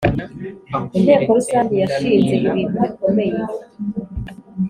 Inteko Rusange yashinze ibintu bikomeye.